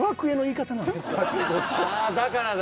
ああだからだ。